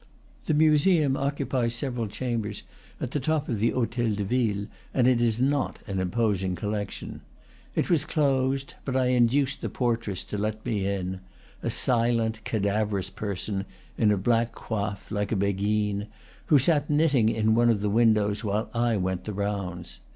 The museum occupies several chambers at the top of the hotel de ville, and is not an imposing collection. It was closed, but I induced the portress to let me in, a silent, cadaverous person, in a black coif, like a beguine, who sat knitting in one of the windows while I went the rounds.